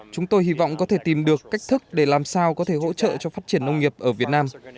chúng tôi hy vọng có thể tìm được cách thức để làm sao có thể hỗ trợ cho phát triển nông nghiệp ở việt nam